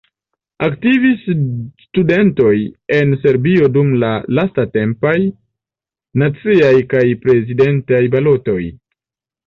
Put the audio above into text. Aktivis studentoj en Serbio dum la lastatempaj naciaj kaj prezidentaj balotoj.